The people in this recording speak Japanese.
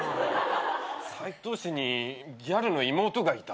サイトウ氏にギャルの妹がいた。